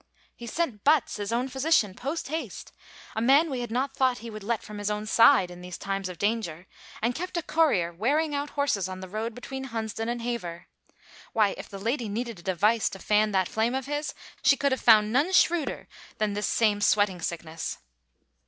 He sent Butts, his own physician post haste — a man we had not thought he would let from his own side in these times of danger, and kept a courier wearing out horses on the road between Hunsdon and Hever. Why, if the lady needed a device to fan that flame of his, she could have found none shrewder than this same sweating sickness."